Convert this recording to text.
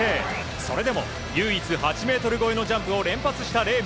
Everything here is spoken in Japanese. それでも、唯一、８ｍ超えのジャンプを連発したレーム。